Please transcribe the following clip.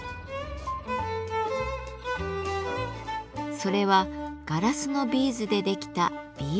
それはガラスのビーズでできた「ビーズフラワー」。